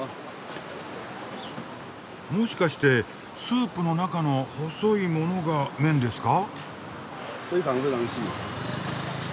もしかしてスープの中の細いものが麺ですか？